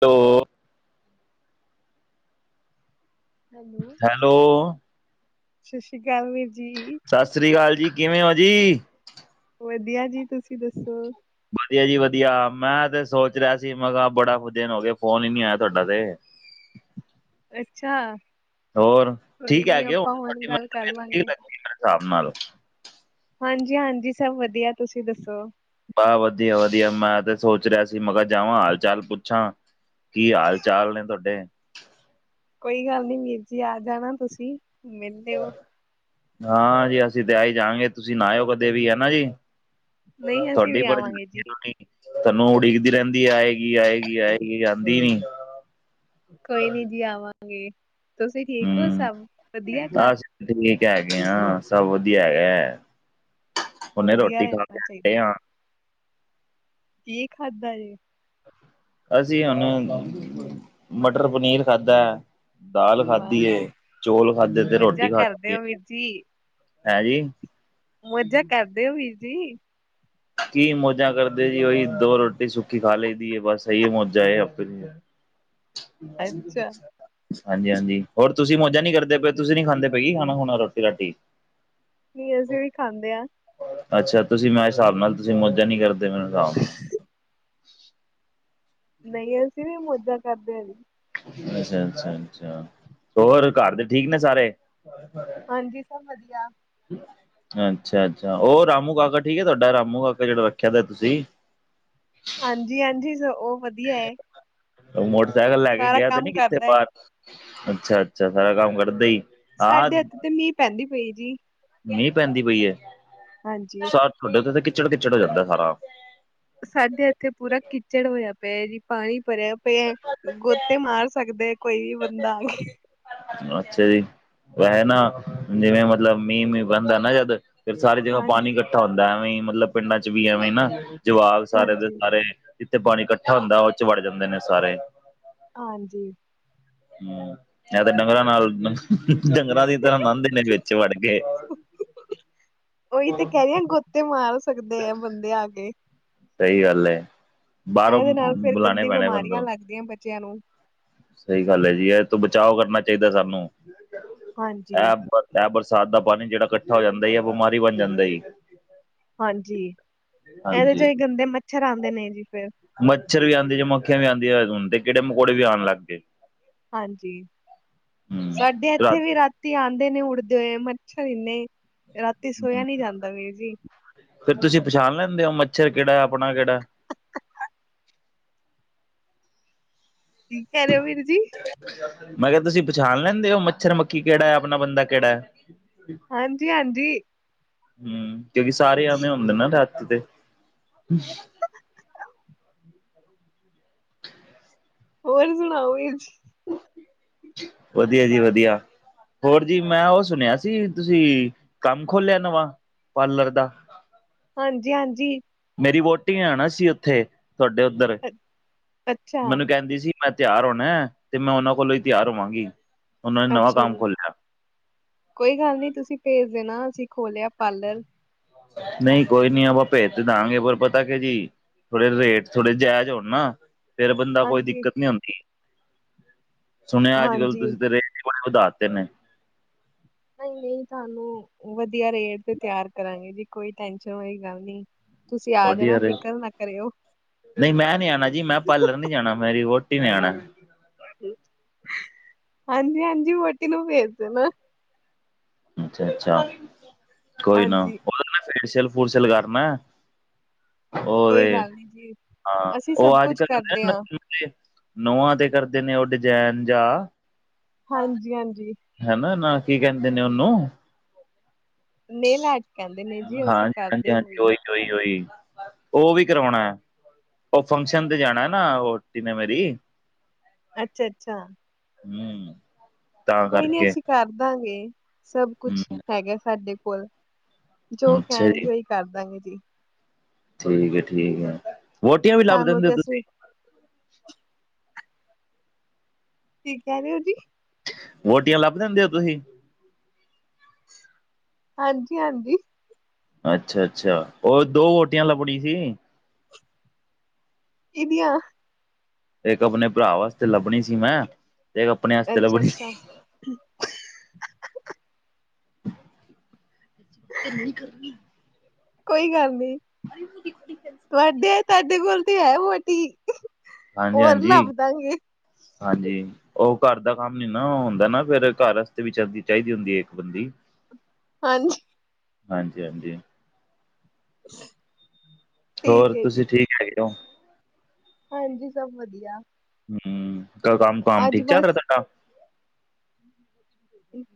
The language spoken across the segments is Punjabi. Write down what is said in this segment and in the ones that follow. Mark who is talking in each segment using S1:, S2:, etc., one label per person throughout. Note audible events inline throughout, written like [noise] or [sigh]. S1: ਤੋ। ਹੈਲੋ।
S2: ਸਤਿ ਸ਼੍ਰੀ ਅਕਾਲ ਵੀਰ ਜੀ।
S1: ਸਤਿ ਸ਼੍ਰੀ ਅਕਾਲ ਜੀ। ਕਿਵੇਂ ਹੋ ਜੀ?
S2: ਵਧੀਆ ਜੀ ਤੁਸੀਂ ਦੱਸੋ?
S1: ਵਧੀਆ ਜੀ ਵਧੀਆ। ਮੈਂ ਤੇ ਸੋਚ ਰਿਹਾ ਸੀ, ਮੈਂ ਕਿਹਾ ਬੜਾ ਦਿਨ ਹੋ ਗਏ, ਫੋਨ ਹੀ ਨੀ ਆਇਆ ਤੁਹਾਡਾ ਤੇ।
S2: ਅੱਛਾ!
S1: ਹੋਰ
S2: ਕੋਈ
S1: ਠੀਕ
S2: ਨੀ
S1: ਹੈਗੈ ਹੋ।
S2: ਆਪਾਂ
S1: ਹੁਣ
S2: ਗੱਲ ਕਰ ਲਾਂਗੇ
S1: [unintelligible] ਹਿਸਾਬ ਨਾਲ।
S2: ਹਾਂਜੀ- ਹਾਂਜੀ ਸਭ ਵਧੀਆ ਤੁਸੀਂ ਦੱਸੋ?
S1: ਬਾਹ ਵਧੀਆ- ਵਧੀਆ ਮੈਂ ਤੇ ਸੋਚ ਰਿਹਾ ਸੀ। ਮੈਂ ਕਿਹਾ ਜਾਵਾਂ ਹਾਲ- ਚਾਲ ਪੁੱਛਾਂ। ਕੀ ਹਾਲ ਚਾਲ ਨੇ ਤੁਹਾਡੇ।
S2: ਕੋਈ ਗੱਲ ਨੀ ਵੀਰ ਜੀ, ਆ ਜਾਣਾ ਤੁਸੀਂ ਮਿਲ ਲੇਓ।
S1: ਹਾਂ ਜੀ, ਅਸੀਂ ਤੇ ਆ ਹੀ ਜਾਵਗੇ। ਤੁਸੀਂ ਨਾ ਆਓ ਕਦੇ ਵੀ, ਹੈ ਨਾ ਜੀ।
S2: ਨਹੀਂ ਅਸੀਂ
S1: ਤੁਹਾਡੀ
S2: ਵੀ
S1: ਬ
S2: ਆਵਾਂਗੇ ਜੀ
S1: [inaudible] ਤਾਨੂੰ ਉਡੀਕਦੀ ਰਹਿੰਦੀ ਹੈ। ਆਏਗੀ-ਆਏਗੀ, ਆਏਗੀ ਆਂਦੀ ਨੀ।
S2: ਕੋਈ ਨੀ ਜੀ, ਆਵਾਂਗੇ। ਤੁਸੀਂ ਠੀਕ ਹੋ
S1: ਹਮ
S2: ਸਭ ਵਧੀਆ ਘਰ।
S1: ਅਸੀਂ ਤੇ ਠੀਕ ਹੈਗੇ ਆਂ, ਸਭ ਵਧੀਆ ਹੈਗਾ ਹੈ। ਹੁਨੇ
S2: ਵਧੀਆ
S1: ਰੋਟੀ ਖਾ ਕੇੇ
S2: ਰਹਿਣਾ
S1: ਹਟੇ
S2: ਚਾਹੀਦਾ ਜੀ
S1: ਆ।
S2: ਕੀ ਖਾਦਾ ਜੇ?
S1: ਅਸੀਂ ਹੁਣ ਮਟਰ- ਪਨੀਰ ਖਾਧਾ ਹੈ। ਦਾਲ
S2: ਵਾਹ
S1: ਖਾਧੀ
S2: ਵਾਹ
S1: ਹੈ, ਚੋਲ ਖਾਧੇ ਤੇ
S2: ਮੌਜਾਂ
S1: ਰੋਟੀ
S2: ਕਰਦੇ
S1: ਖਾਧੀ
S2: ਹੋ ਵੀਰ
S1: ਐ, ਹੈਂ ਜੀ।
S2: ਮਜਾ ਕਰਦੇ ਹੋ ਵੀਰ ਜੀ।
S1: ਕੀ ਮੌੋਜਾਂ ਕਰਦੇ ਜੀ ਉਹੀ ਦੋ ਰੋਟੀ ਸੁੱਕੀ ਖਾ ਲਈ ਦੀ ਬਸ ਇਹੀ ਮੌੋਜਾ ਆਪਣੇ।
S2: ਅੱਛਾ
S1: ਹਾਂਜੀ ਹਾਂਜੀ ਹੋਰ ਤੁਸੀਂ ਮੌਜਾ ਨਹੀਂ ਕਰਦੇ ਪਏ ਤੁਸੀਂ ਨੀ ਖਾਂਦੇ ਪਏਗੀ ਖਾਣਾ ਖੁਣਾ ਰੋਟੀ ਰਾਟੀ।
S2: ਨਹੀਂ ਅਸੀਂ ਵੀ ਖਾਂਦੇ ਹਾਂ।
S1: ਅੱਛਾ ਤੁਸੀਂ ਮੇਰੇ ਹਿਸਾਬ ਨਾਲ ਤੁਸੀਂ ਮੌਜਾਂ ਨੀ ਕਰਦੇ ਮੇਰੇ ਹਿਸਾਬ ਨਾਲ।
S2: ਨਹੀਂ ਅਸੀਂ ਵੀ ਮੌਜਾਂ ਕਰਦੇ ਹਾਂ ਜੀ।
S1: ਅੱਛਾ, ਅੱਛਾ, ਅੱਛਾ ਹੋਰ ਘਰ ਦੇ ਠੀਕ ਨੇ ਸਾਰੇ?
S2: ਹਾਂਜੀ ਸਭ ਵਧੀਆ।
S1: ਅੱਛਾ ਅੱਛਾ ਉਹ ਰਾਮੂ ਕਾਕਾ ਠੀਕ ਹੈ ਤੁਹਾਡਾ ਰਾਮੂ ਕਾਕਾ ਜਿਹੜਾ ਰੱਖਿਆ ਦਾ ਤੁਸੀਂ।
S2: ਹਾਂਜੀ, ਹਾਂਜੀ, ਉਹ ਵਧੀਆ। ਵਧੀਆ ਹੈ।
S1: ਮੋਟਰਸਾਈਕਲ ਲੈ ਕੇ
S2: ਸਾਰਾ
S1: ਗਿਆ ਤੇ
S2: ਕੰਮ
S1: ਨੀ ਕਿੱਥੇ
S2: ਕਰਦਾ ਹੈ
S1: ਬਾਹਰ ਅੱਛਾ ਅੱਛਾ ਸਾਰਾ ਕੰਮ ਕਰਦੇ ਹੀ। ਹਾਂ
S2: ਸਾਡੇ ਇੱਥੇ ਤੇ ਮੀਂਹ ਪੈਂਦੀ ਪਈ ਜੀ।
S1: ਮੀਂਹ ਪੈਂਦੀ ਪਈ ਹੈ।
S2: ਹਾਂਜੀ
S1: ਸਾ ਤੁਹਾਡੇ ਉਧਰ ਤਾਂ ਕਿਚੜ ਕਿੱਚੜ ਹੋ ਜਾਂਦਾ ਸਾਰਾ।
S2: ਸਾਡੇ ਇੱਥੇ ਪੂਰਾ ਕਿਚੜ ਹੋਇਆ ਪਿਆ ਜੀ। ਪਾਣੀ ਭਰਿਆ ਪਏ ਗੋਤੇ ਮਾਰ ਸਕਦੇ ਕੋਈ ਵੀ ਬੰਦਾ।
S1: ਅੱਛਾ ਜੀ, ਵੈਸੇ ਨਾ ਜਿਵੇਂ ਮਤਲਬ ਮੀਂਹ ਮੀਂਹ ਬਣਦਾ ਨਾ ਜਦ। ਫਿਰ ਸਾਰੀ ਜਗ੍ਹਾ ਪਾਣੀ
S2: ਹਾਂਜੀ
S1: ਇਕੱਠਾ ਹੁੰਦਾ ਐਵੇਂ ਹੀ ਮਤਲਬ ਪਿੰਡਾਂ ਚ ਵੀ ਐਵੇਂ ਨਾ ਜਵਾਕ ਸਾਰੇ ਦੇ
S2: ਹਾਂਜੀ
S1: ਸਾਰੇ। ਜਿੱਥੇ ਪਾਣੀ ਇਕੱਠਾ ਹੁੰਦਾ ਉਹ ਚ ਵੜ ਜਾਂਦੇ ਨੇ ਸਾਰੇ।
S2: ਹਾਂਜੀ।
S1: ਹਮ ਮ ਤੇ ਡੰਗਰਾਂ ਨਾਲ ਡੰਗਰਾਂ ਦੀ ਇਧਰ ਨਾ ਦੇੇ ਵਿੱਚ ਵੜ ਕੇ। ਠ
S2: ਉਹੀ ਤੇ ਕਹਿ ਰਹੀ ਆ ਗੋਤੇ ਮਾਰ ਸਕਦੇ ਆ ਬੰਦੇ ਆ ਕੇ।
S1: ਸਹੀ ਗੱਲ ਏ ਬਾਹਰੋਂ
S2: ਇਹਦੇ ਨਾਲ ਫੇਰ
S1: ਬੁਲਾਣੇ
S2: ਗੰਦੀ
S1: ਪੈਣੇ ਬੰਦੇ।
S2: ਬਿਮਾਰੀਆਂ ਲੱਗਦੀਆਂ ਬੱਚਿਆਂ ਨੂੰ
S1: ਸਹੀ ਗੱਲ ਹੈ ਜੀ ਇਹ ਤੋਂ ਬਚਾਓ ਕਰਨਾ ਚਾਹੀਦਾ ਸਾਨੂੰ
S2: ਹਾਂਜੀ
S1: ਇਹ। ਇਹ ਬਰਸਾਤ ਦਾ ਪਾਣੀ ਜਿਹੜਾ ਇਕੱਠਾ ਹੋ ਜਾਂਦਾ ਹੈ ਬਿਮਾਰੀ ਬਣ ਜਾਂਦਾ ਜੀ।
S2: ਹਾਂਜੀ ਇਹਦੇ
S1: ਹਾਂਜੀ
S2: ਚੋਂ ਹੀ ਗੰਦੇ ਮੱਛਰ ਆਉਂਦੇ ਨੇ ਜੀ ਫੇਰ।
S1: ਮੱਛਰ ਵੀ ਆਉਂਦੇ ਜੇ ਮੱਖੀਆਂ ਵੀ ਆਉਂਦੀਆਂ ਤੇ ਹੁਣ ਤੇ ਕੀੜੇ ਮਕੌੜੇ ਵੀ ਆਉਣ ਲੱਗ ਗਏ।
S2: ਹਾਂਜੀ
S1: ਹੂੰ
S2: ਸਾਡੇ ਇੱਥੇ
S1: ਰਾਤ
S2: ਵੀ ਰਾਤੀ। ਰਾਤੀ ਆਉਂਦੇ ਨੇ ਉੱਡਦੇ ਹੋਏ ਮੱਛਰ ਇੰਨੇ ਰਾਤੀ ਸੋਇਆ ਨੀ ਜਾਂਦਾ ਵੀਰ ਜੀ।
S1: ਫਿਰ ਤੁਸੀਂ ਪਛਾਣ ਲੈਂਦੇ ਹੋ ਮੱਛਰ ਕਿਹੜਾ ਆਪਣਾ ਕਿਹੜਾ।
S2: ਕੀ ਕਹਿ ਰਹੇ ਹੋ ਵੀਰ ਜੀ?
S1: ਮੈਂ ਕਿਹਾ ਤੁਸੀਂ ਪਛਾਣ ਲੈਂਦੇ ਹੋ ਮੱਛਰ ਮੱਖੀ ਕਿਹੜਾ ਹੈ ਆਪਣਾ ਬੰਦਾ ਕਿਹੜਾ ਹੈ?
S2: ਹਾਂਜੀ ਹਾਂਜੀ।
S1: ਹਮ ਕਿਉਂਕਿ ਸਾਰੇ ਆਵੇ ਹੁੰਦੇ ਨਾ ਰਾਤੀ ਤੇ।
S2: ਹੋਰ ਸੁਣਾਓ ਵੀਰ ਜੀ।
S1: ਵਧੀਆ ਜੀ ਵਧੀਆ। ਹੋਰ ਜੀ ਮੈਂ ਉਹ ਸੁਣਿਆ ਸੀ ਤੁਸੀਂ ਕੰਮ ਖੋਲਿਆ ਨਵਾਂ ਪਾਰਲਰ ਦਾ।
S2: ਹਾਂਜੀ ਹਾਂਜੀ।
S1: ਮੇਰੀ ਵਹੁਟੀ ਨੇ ਆਉਣਾ ਸੀ ਉੱਥੇ ਤੁਹਾਡੇ ਉੱਧਰ।
S2: ਹ
S1: ਮੈਨੂੰ ਕਹਿੰਦੀ ਸੀ ਮੈਂ ਤਿਆਰ ਹੋਣਾ ਹੈ ਤੇ ਮੈਂ ਉਹਨਾਂ ਕੋਲੋਂ ਹੀ ਤਿਆਰ ਹੋਵਾਂਗੀ। ਉਹਨਾਂ ਨੇ ਨਵਾਂ
S2: ਅੱਛਾ
S1: ਕੰਮ
S2: ਜੀ।
S1: ਖੋਲਿਆ
S2: ਕੋਈ ਗੱਲ ਨੀ ਤੁਸੀਂ ਭੇਜ ਦੇਣਾ, ਅਸੀਂ ਖੋਲਿਆ ਪਾਰਲਰ।
S1: ਨਹੀਂ ਕੋਈ ਨੀ ਆਪਾ ਭੇਜ ਤੇ ਦਵਾਂਗੇ ਪਰ ਪਤਾ ਕਿ ਜੀ। ਥੋੜੇ ਰੇਟ ਥੋੜੇ ਜਾਇਜ਼ ਹੋਣ ਨਾ ਫਿਰ ਬੰਦਾ ਕੋਈ
S2: ਹਾਂਜੀ
S1: ਦਿੱਕਤ ਨੀ ਆਉਦੀ। ਸੁਣਿਆ ਅੱਜ ਕੱਲ
S2: ਹਾਂਜੀ
S1: ਤੁਸੀਂ ਤੇ ਰੇਟ ਬੜੇ ਵਧਾ ਦਿੱਤੇ ਨੇ।
S2: ਨਹੀਂ ਨਹੀਂ ਤੁਹਾਨੂੰ ਵਧੀਆ ਰੇਟ ਤੇ ਤਿਆਰ ਕਰਾਂਗੇ ਜੀ ਕੋਈ ਟੈਸ਼ਨ ਵਾਲੀ ਗੱਲ ਨਹੀ ਹੈ।
S1: ਵਧੀਆ ਰੇਟ ਨਹੀਂ ਮੈਂ ਨੀ ਆਉਣਾ ਜੀ ਮੈਂ ਪਾਰਲਰ ਨੀ ਜਾਣਾ ਮੇਰੀ ਵਹੁਟੀ ਨੇ ਆਉਣੈ।
S2: ਹਾਂਜੀ- ਹਾਂਜੀ, ਵੋਟੀ ਨੂੰ ਭੇਜ ਦੇ ਨਾਂ।
S1: ਅੱਛਾ- ਅੱਛਾ। ਕੋਈ ਨਾ
S2: ਹਾਂਜੀ
S1: ਉਹਦੇ ਨਾ ਫੇਸ਼ਿਅਲ ਫੁਸ਼ਿਅਲ ਕਰਨਾ ਏ। ਉਹ ਤੇ,
S2: ਕੋਈ ਗੱਲ ਨੀ ਜੀ
S1: ਹਾਂ
S2: ਅਸੀਂ ਸਭ
S1: ਉਹ ਅੱਜ
S2: ਕੁਛ
S1: ਕੱਲ
S2: ਕਰਦੇ ਹਾਂ
S1: [unintelligible] ਨੋਹਾਂ ਤੇ ਕਰਦੇ ਨੇ ਉਹ ਡਿਜਾਇਨ ਜਾਂ।
S2: ਹਾਂਜੀ- ਹਾਂਜੀ।
S1: ਹਨਾ ਨਾ, ਕੀ ਕਹਿੰਦੇ ਨੇ ਉਹਨੂੰ।
S2: ਨੇਲ ਆਰਟ, ਕਹਿੰਦੇ ਨੇ ਜੀ। ਅਸੀਂ ਕਰਦੇ ਹੋ ਵੀ
S1: ਓਣੀ- ਓਣੀ, ਉਹ ਵੀ ਕਰਾਉਣਾ ਹੈ। ਉਹ ਫੰਕਸ਼ਨ ਤੇ ਜਾਣਾ ਨਾ ਵੋਟੀ ਨੇ ਮੇਰੀ।
S2: ਅੱਛਾ- ਅੱਛਾ।
S1: ਹਾਂ।
S2: ਕੋਈ ਨੀ ਅਸੀਂ ਕਰ ਦਾਂਗੇ। ਸਭ ਕੁਛ
S1: ਹੂੰ
S2: ਹੈਗਾ ਸਾਡੇ ਕੋਲ। ਜੋ
S1: ਅੱਛਾ ਜੀ
S2: ਕਹਿਣਗੇ, ਉਹੀ ਕਰਦਾਂਗੇ ਜੀ।
S1: ਠੀਕ ਏ- ਠੀਕ ਏ, ਵੋਟੀਆਂ ਵੀ ਲੱਭ
S2: ਤੁਹਾਨੂੰ
S1: ਦਿੰਦੇ।
S2: ਤੇ ਅਸੀਂ
S1: ਤੁਸੀਂ
S2: ਕੀ ਕਹਿ ਰਹੇ ਹੋ ਜੀ?
S1: ਵੋਟੀਆਂ ਲੱਭ ਦਿੰਦੇ ਹੋ ਤੁਸੀਂ?
S2: ਹਾਂਜੀ- ਹਾਂਜੀ।
S1: ਅੱਛਾ- ਅੱਛਾ। ਹੋਰ ਦੋ ਵੋਟੀਆਂ ਲੱਭਣੀ ਸੀ।
S2: ਕਿਦੀਆਂ?
S1: ਇੱਕ ਆਪਣੇ ਭਰਾ ਵਾਸਤੇ, ਲੱਭਣੀ ਸੀ ਮੈਂ। ਤੇ ਆਪਣੇ ਵਾਸਤੇ
S2: ਅੱਛਾ-
S1: ਲੱਭਣੀ
S2: ਅੱਛਾ।
S1: ਸੀ ਇੰਨੀ ਗਰਮੀ!
S2: ਕੋਈ ਗੱਲ ਨੀ।
S1: ਬ [unintelligible]
S2: ਵੈਸੇ, ਤੁਹਾਡੇ ਕੋਲ ਤੇ ਹੈ ਵੋਟੀ।
S1: ਹਾਂਜੀ-
S2: ਹੋਰ
S1: ਹਾਂਜੀ।
S2: ਲੱਭ ਦਾਂਗੇ
S1: ਹਾਂਜੀ। ਉਹ ਘਰ ਦਾ ਕੰਮ ਨੀ ਨਾ ਉਹ ਹੁੰਦਾ ਨਾ ਫੇਰ। ਘਰ ਵਾਸਤੇ ਵੀੱ ਚਾਹੀਦੀ ਹੁੰਦੀ ਹੈ ਇੱਕ ਬੰਦੀ।
S2: ਹਾਂਜੀ।
S1: ਹਾਂਜੀ- ਹਾਂਜੀ।
S2: ਹ [unintelligible]
S1: ਹੋਰ। ਤੁਸੀਂ ਠੀਕ ਹੈਗੇ ਹੋ?
S2: ਹਾਂਜੀ, ਸਭ ਵਧੀਆ।
S1: ਹੂੰ। ਕੰਮ, ਕਮ
S2: ਅੱਜ
S1: ਠੀਕ ਚੱਲ ਰਿਹਾ
S2: ਬਸ
S1: ਤੁਹਾਡਾ?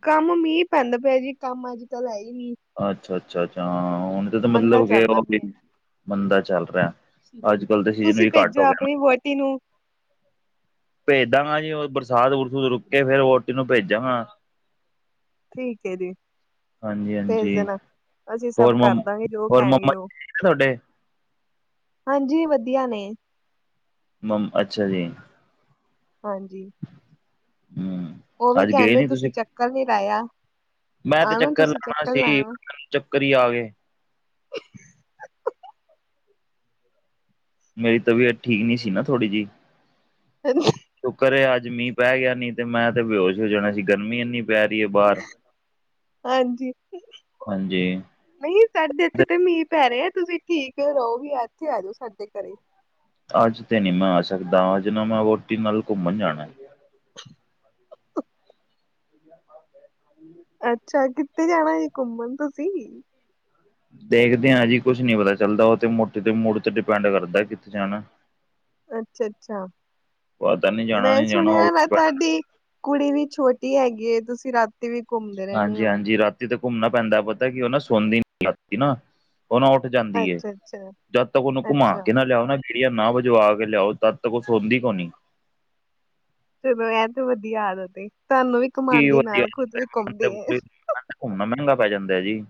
S2: ਕੰਮ ਮੀਂਹ ਪੈਂਦਾ ਪਿਆ ਜੀ। ਕੰਮ ਅੱਜ ਕੱਲ ਹੈ ਹੀ ਨੀ।
S1: ਅੱਛਾ- ਅੱਛਾ, ਅੱਛਾ। ਹਾਂ ਹੁਣ ਤਾਂ, ਤਾਂ
S2: ਮੰਦਾ
S1: ਮਤਲਬ ਕਿ
S2: ਚੱਲਦਾ ਪਿਆ
S1: ਬੰਦਾ ਚੱਲ ਰਿਹਾ। ਅੱਜ ਕਲ ਦੇ ਸੀਜ਼ਨ
S2: ਤੁਸੀਂ
S1: ਵੀ ਘੱਟ
S2: ਭੇਜੋ
S1: ਹੋ ਗਏ ਨੇ।
S2: ਆਪਣੀ ਵੋਟੀ ਨੂੰ।
S1: ਭੇਜ ਦਾਂਗਾ ਜੀ, ਉਹ ਬਰਸਾਤ ਬਰਸੂਤ ਰੁਕ ਕੇ ਫੇਰ ਓਟੀ ਨੂੰ ਭੇਜਾਂਗਾ।
S2: ਠੀਕ ਹੈ ਜੀ।
S1: ਹਾਂਜੀ
S2: ਭੇਜ
S1: ਹਾਂਜੀ
S2: ਦੇਣਾ। ਅਸੀਂ ਸਭ
S1: ਹੋਰ ਮੰਮ
S2: ਕਰਦਾਂਗੇ ਜੋ
S1: ਹੋਰ
S2: ਕਹਿਣਗੇ
S1: ਮੰਮਾ
S2: ਉਹ।
S1: ਜੀ ਠੀਕ ਨੇ ਤੁਹਾਡੇ
S2: ਹਾਂਜੀ ਵਧੀਆ ਨੇ।
S1: ਮਮ ਅੱਛਾ ਜੀ।
S2: ਹਾਂਜੀ।
S1: ਹੂੰ,
S2: ਉਹ ਵੀ
S1: ਅੱਜ ਗਏ
S2: ਕਹਿੰਦੇ,
S1: ਨੀ
S2: ਤੁਸੀਂ ਚੱਕਰ ਨੀ ਲਾਇਆ।
S1: ਮੈਂ ਤੇ
S2: ਆਣਾ
S1: ਚੱਕਰ
S2: ਤੁਸੀਂ
S1: ਲਾਣਾ ਸੀ।
S2: ਲਾਣਾ
S1: ਮੈਨੂੰ ਚੱਕਰ ਹੀ ਆ ਗਏ। ਮੇਰੀ ਤਬੀਅਤ ਠੀਕ ਨੀ ਸੀ ਨਾ ਥੋੜੀ ਜਿਹੀ।
S2: ਹ [unintelligible]
S1: ਸ਼ੁੱਕਰ ਹੈ। ਅੱਜ ਮੀਂਹ ਪੈ ਗਿਆ ਨੀ ਤੇ ਮੈਂ ਤੇ ਬੇਹੋਸ਼ ਹੋ ਜਾਣਾ ਸੀ। ਗਰਮੀਂ ਇੰਨੀ ਪੈ ਰਹੀ ਹੈ ਬਾਹਰ।
S2: ਹਾਂਜੀ।
S1: ਹਾਂਜੀ।
S2: ਨਈ ਸਾਡੇ
S1: ਤੇ
S2: ਇੱਥੇ ਤਾ ਮੀਂਹ ਪੈ ਰਹੇ ਆ ਤੁਸੀ ਠੀਕ ਰਹੋ ਵੀ ਇੱਥੇ ਆ ਜਾਓ ਸਾਡੇ ਘਰੇ।
S1: ਅੱਜ ਤੇ ਨੀ ਮੈਂ ਆ ਸਕਦਾ ਅੱਜ ਨਾ ਮੈਂ ਵੋਹਟੀ ਨਾਲ ਘੁੰਮਣ ਜਾਣਾ।
S2: [unintelligible]
S1: [unintelligible] ਹਮ [unintelligible]
S2: ਅੱਛਾ ਕਿੱਥੇ ਜਾਣਾ ਜੀ ਘੁੰਮਣ ਤੁਸੀ?
S1: ਦੇਖਦੇ ਹਾਂ ਜੀ ਕੁੱਛ ਨੀ ਪਤਾ ਚੱਲਦਾ ਉਹ ਤੇ ਵੋਹਟੀ ਦੇ ਮੁੜ ਤੇ ਡਿਪੈਂਡ ਕਰਦਾ ਕਿੱਥੇ ਜਾਣਾ।
S2: ਅੱਛਾ-ਅੱਛਾ
S1: ਪਤਾ ਨੀ ਜਾਣਾ
S2: ਮੈਂ
S1: ਨੀ ਜਾਣਾ ਉਹ
S2: ਸੁਣਿਆ ਤੁਹਾਡੀ ਕੁੜੀ ਵੀ ਛੋਟੀ ਹੈਗੀ ਏ ਤੁਸੀ ਰਾਤ
S1: ਹਾਂਜੀ-ਹਾਂਜੀ ਰਾਤੀ ਤੇ ਘੁੰਮਣਾ ਪੈਂਦਾ ਪਤਾ ਕੀ ਉਹ ਨਾ ਸੋਦੀ ਨੀ ਰਾਤੀ ਨਾ। ਉਹ ਨਾ ਉੱਠ ਜਾਂਦੀ ਏ,
S2: ਅੱਛਾ ਅੱਛਾ
S1: ਜਦ ਤੱਕ ਉਹਨੂੰ ਘੁੰਮਾ
S2: ਅੱਛਾ
S1: ਕੇ ਨਾ ਲਿਆੳ ਨਾ ਗੇੜੀਆਂ ਨਾ ਵਜਵਾ ਕੇ ਲਿਆਓ ਜਦ ਤੱਕ ਉਹ ਸੋੰਦੀ ਕੋਣੀ।
S2: ਚਲੋ ਐ ਤੇ ਵਧੀਆ ਆਦਤ ਏ ਤੁਹਾਨੂੰ ਵੀ
S1: ਕੀ
S2: ਘੁਮਾਉਦੀ
S1: ਵਧੀਆ
S2: ਨਾਲ ਖੁਦ ਵੀ ਘੁੰਮਦੀ ਏ।
S1: ਘੁੰਮਣਾ ਮਹਿੰਗਾ ਪੈ ਜਾਂਦਾ ਜੀ।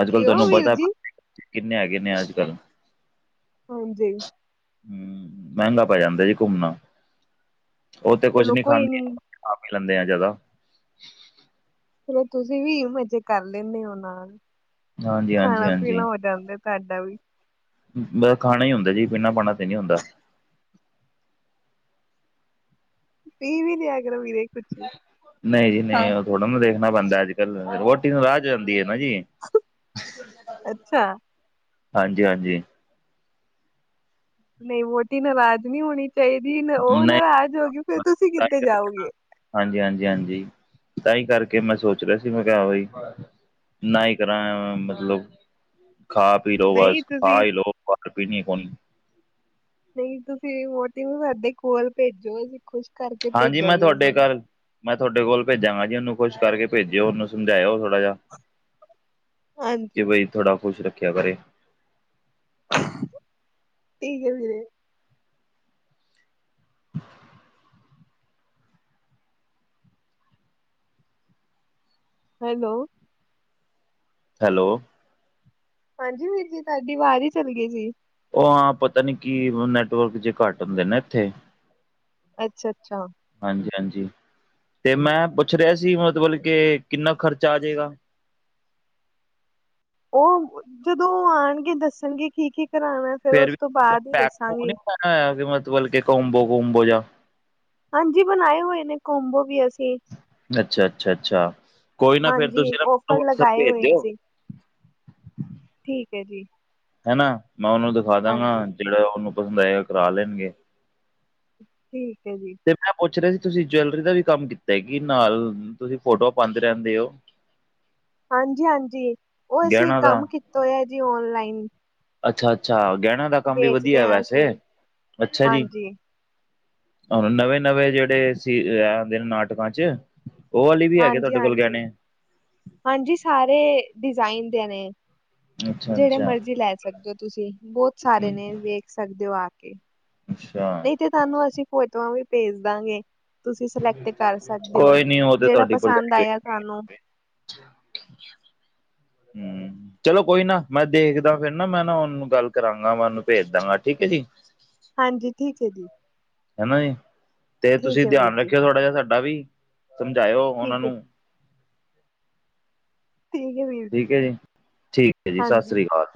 S1: ਅੱਜ ਕੱਲ
S2: ਕਿਉਂ
S1: ਤੁਹਾਨੂੰ
S2: ਵੀਰ
S1: ਪਤਾ
S2: ਜੀ
S1: [inaudible] ਕਿੰਨੇ ਹੈਗੇ ਨੇ ਅੱਜ ਕੱਲ।
S2: ਹਾਂਜੀ
S1: ਹਮ ਮਹਿੰਗਾ ਪੈ ਜਾਂਦਾ ਜੀ ਘੁੰਮਣਾ ਉਹ ਤੇ ਕੁੱਛ
S2: ਚਲੋ
S1: ਨੀ
S2: ਕੋਈ
S1: ਖਾਂਦੀ ਆਪ ਲੈਂਦੇ ਆ ਜਾਦਾ।
S2: ਫਿਰ ਤੁਸੀ ਵੀ ਮਜ਼ੇ ਕਰ ਲੈਂਦੇ ਹੋ ਨਾਲ
S1: ਹਾਂਜੀ ਹਾਂਜੀ
S2: ਖਾਣਾ ਪੀਣਾ
S1: ਹਾਂਜੀ
S2: ਹੋ ਜਾਂਦਾ ਤੁਹਾਡਾ ਵੀ।
S1: ਖਾਣਾ ਹੀ ਹੁੰਦਾ ਜੀ ਪੀਣਾ-ਪਾਣਾ ਤੇ ਨੀ ਹੁੰਦਾ।
S2: ਪੀ ਵੀ ਲਿਆ ਕਰ ਵੀਰੇ ਕੁੱਛ।
S1: ਨਈ ਜੀ ਨਈ ਉਹ ਥੋੜ੍ਹਾ ਨਾ ਦੇਖਣਾ ਪੈਂਦਾ ਅੱਜ ਕੱਲ ਵੋਹਟੀ ਨਰਾਜ਼ ਹੋ ਜਾਂਦੀ ਹੈ ਨਾ ਜੀ।
S2: ਅੱਛਾ
S1: ਹਾਂਜੀ-ਹਾਂਜੀ
S2: ਨਈ ਵੋਹਟੀ ਨਾਰਾਜ਼ ਨੀ ਹੋਣੀ ਚਾਹੀਦੀ ਉਹ
S1: ਨਹੀਂ
S2: ਨਾਰਾਜ਼ ਹੋ ਗਈ ਫਿਰ ਤੁਸੀਂ ਕਿੱਥੇ ਜਾਓਗੇ।
S1: ਹਾਂਜੀ-ਹਾਂਜੀ, ਹਾਂਜੀ ਤਾਹੀ ਕਰਕੇ ਮੈਂ ਸੋਚ ਰਿਹਾ ਸੀ ਮੈਂ ਕਿਹਾ ਉਹੀ ਨਾ ਹੀ ਕਰਾ ਮਤਲੱਬ ਖਾ ਪੀਲੋੋ
S2: ਨਹੀਂ
S1: ਬੱਸ ਖਾ
S2: ਤੁਸੀਂ
S1: ਲੋ ਪਰ ਪੀਣੀ ਕੋਣੀ।
S2: ਨਈ ਤੁਸੀ ਵੋਹਟੀ ਨੂੰ ਸਾਡੇ ਕੋਲ ਭੇਜੋ ਅਸੀ ਖੁਸ਼ ਕਰਕੇ
S1: ਹਾਂਜੀ ਮੈਂ
S2: ਭੇਜਾਂਗੇ
S1: ਤੁਹਾਡੇ
S2: ਉਨੂੰ।
S1: ਘਰ ਮੈਂ ਤੁਹਾਡੇ ਕੋਲ ਭੇਜਾਂਗਾ ਜੀ ਉਹਨੂੰ ਖੁਸ਼ ਕਰਕੇ ਭੇਜਿਓ ਉਹਨੂੰ ਸਮਝਾਇਓ ਥੋੜ੍ਹਾ ਜਿਹਾ। ਕਿ
S2: ਹਾਂਜੀ
S1: ਬਈ ਥੋੜ੍ਹਾ ਖੁਸ਼ ਰੱਖਿਆ ਕਰੇ।
S2: ਠੀਕ ਹੈ ਵੀਰੇ।
S1: [unintelligible]
S2: ਹੈਲੋ
S1: ਹੈਲੋ
S2: ਹਾਂਜੀ ਵੀਰ ਜੀ ਤੁਹਾਡੀ ਆਵਾਜ਼ ਹੀ ਚੱਲੀ ਗਈ ਸੀ।
S1: ਉਹ ਹਾਂ ਪਤਾ ਨੀ ਕੀ ਨੈੱਟਵਰਕ ਜੇ ਘੱਟ ਹੁੰਦੇ ਨੇ ਇੱਥੇ।
S2: ਅੱਛਾ-ਅੱਛਾ
S1: ਹਾਂਜੀ-ਹਾਂਜੀ ਤੇ ਮੈਂ ਪੁੱਛ ਰਿਹਾ ਸੀ ਮਤਬੱਲ ਕੇ ਕਿੰਨਾ ਖਰਚਾ ਆ ਜਾਏਗਾ।
S2: ਉਹ ਜਦੋਂ ਆਉਣਗੇ ਦੱਸਣਗੇ ਕੀ-ਕੀ ਕਰਾਣਾ ਫਿਰ ਉਸ ਤੋਂ ਬਾਦ ਹੀ ਦੱਸਾਂਗੀ।
S1: ਇਹ ਕਿ ਮਤਬਲ ਕੋਂਬੋ ਕੁਂਬੋ ਜਾ।
S2: ਹਾਂਜੀ ਬਣਾਏ ਹੋਏ ਨੇ ਕੋਂਬੋ ਵੀ ਅਸ ਸੀ
S1: ਅੱਛਾ ਅੱਛਾ ਅੱਛਾ ਕੋਈ ਨਾ ਫੇਰ
S2: ਹਾਂਜੀ
S1: ਤੁਸੀਂ ਨਾ ਮੈਨੂੰ
S2: ਔਫਰ
S1: ਵਟਸਐਪ
S2: ਲਗਾਏ
S1: ਭੇਜ
S2: ਹੋਏ
S1: ਦਿਓ
S2: ਅਸੀ। ਠੀਕ ਹੈ ਜੀ।
S1: ਹਨਾ ਮੈਂ ਉਹਨੂੰ ਦਿਖਾ ਦਾਂਗਾ
S2: ਹਾਂਜੀ
S1: ਜਿਹੜਾ ਉਹਨੂੰ ਪਸੰਦ ਆਏਗਾ ਕਰਾ ਲੈਣਗੇ।
S2: ਠੀਕ ਏ ਜੀ।
S1: ਤੇ ਮੈਂ ਪੁੱਛ ਰਿਹਾ ਸੀ ਤੁਸੀ ਜੈਲਰੀ ਦਾ ਵੀ ਕੰਮ ਕੀਤਾ ਕਿ ਨਾਲ ਤੁਸੀ ਫੋਟੋਆ ਪਾਦੇ ਰਹਿੰਦੇ ਹੋ। [unintelligible]
S2: ਹਾਂਜੀ-ਹਾਂਜੀ ਉਹ ਅਸੀਂ
S1: ਗਹਿਣਾ
S2: ਕੰਮ
S1: ਦਾ
S2: ਕੀਤਾ ਹੋਇਆ ਜੀ ਔਨਲਾਈਨ।
S1: ਅੱਛਾ-ਅੱਛਾ ਗਹਿਣ ਦਾ ਕੰਮ ਵੀ ਵਧੀਆ
S2: ਹਾਂ
S1: ਵੈਸੇ
S2: ਅਸੀਂ
S1: ਅੱਛਾ ਜੀ।
S2: ਹਾਂਜੀ
S1: ਨਵੇਂ-ਨਵੇਂ ਜਿਹੜੇ ਸੀ ਆਦੇ ਨਾਟਕਾਂ ਚ ਉਹ ਵਾਲੀ ਵੀ ਹੈਗੇ
S2: ਹਾਂਜੀ,
S1: ਤੁਹਾਡੇ ਕੋਲ
S2: ਹਾਂਜੀ,
S1: ਗਹਿਣੇ?
S2: ਹਾਂਜੀ ਸਾਰੇ ਡਿਜ਼ਾਇਨ ਦੇ ਨੇ ਜਿਹੜੇ
S1: ਅੱਛਾ-ਅੱਛਾ
S2: ਮਰਜੀ ਲੈ ਸਕਦੇ ਹੋ ਤੁਸੀਂ ਬਹੁਤ ਸਾਰੇ
S1: ਹੂੰ
S2: ਨੇ ਵੇਖ ਸਕਦੇ ਹੋ ਆ ਕੇ
S1: ਅੱਛਾ।
S2: ਨਹੀਂ ਤੇ ਤੁਹਾਨੂੰ ਅਸੀਂ ਫੋਟੋਆਂ ਵੀ ਭੇਜ ਦਾਂਗੇ। ਤੁਸੀਂ ਸਿਲੈਕਟ ਕਰ ਸਕਦੇ ਹੋ
S1: ਕੋਈ ਨੀ
S2: ਜਿਹੜਾ ਪਸੰਦ ਆਇਆ ਤੁਹਾਨੂੰ
S1: ਹੂ,,, ਚਲੋ ਕੋਈ ਨਾ ਮੈਂ ਦੇਖਦਾ ਫਿਰ ਨਾ ਮੈਂ ਨਾ ਉਹਨੂੰ ਗੱਲ ਕਰਾਂਗਾ ਮੈਂ ਉਹਨੂੰ ਭੇਜ ਦਾਂਗਾ ਠੀਕ ਹੈ ਜੀ।
S2: ਹਾਂਜੀ ਠੀਕ ਹੈ ਜੀ
S1: ਹਨਾ ਜੀ ਤੇ
S2: ਠੀਕ
S1: ਤੁਸੀਂ
S2: ਹੈ ਵੀਰ
S1: ਧਿਆਨ
S2: ਜੀ
S1: ਰੱਖਿਓ ਥੋੜਾ ਜਿਹਾ ਸਾਡਾ ਵੀ ਸਮਝਾਇਓ ਉਹਨਾਂ
S2: ਠੀਕ ਹੈ
S1: ਨੂੰ
S2: ਠੀਕ ਹੈ ਵੀਰ
S1: ਠੀਕ ਹੈ ਜੀ ਠੀਕ ਹੈ ਜੀ ਸਤਿ
S2: ਹਾਂਜੀ
S1: ਸ੍ਰੀ ਅਕਾਲ